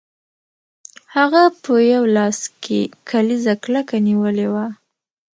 هغه په یو لاس کې کلیزه کلکه نیولې وه